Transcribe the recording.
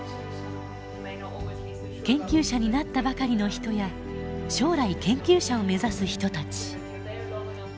研究者になったばかりの人や将来研究者を目指す人たち。